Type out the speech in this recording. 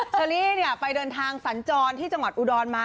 เฉลี่นไปเดินทางสรรจรที่จังหวัดอูดอนมา